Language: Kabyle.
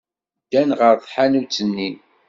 Ddan ɣer tḥanut-nni.